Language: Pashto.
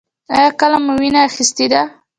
ایا کله مو وینه اخیستې ده؟